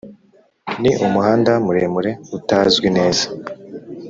ni umuhanda muremure utazwi neza.